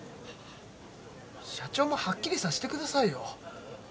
社長もはっきりさせてくださいよ。